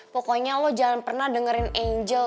pokoknya lo jangan pernah dengerin angel